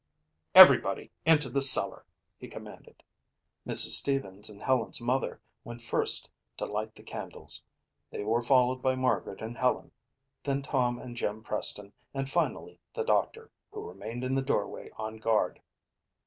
Everybody into the cellar," he commanded. Mrs. Stevens and Helen's mother went first to light the candles. They were followed by Margaret and Helen, then Tom and Jim Preston and finally the doctor, who remained in the doorway on guard.